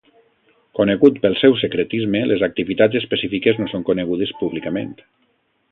Conegut pel seu secretisme, les activitats específiques no són conegudes públicament.